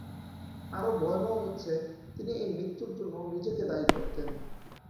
আরও ভয়াবহ হচ্ছে, তিনি এই মৃত্যুর জন্য নিজেকে দায়ী করতেন।